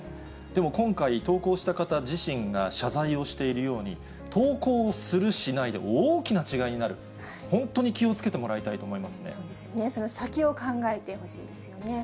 でも、今回、投稿した方自身が謝罪をしているように、投稿をする、しないで、大きな違いになる、本当に気をつけてもらいたいと思そうですね、その先を考えてほしいですね。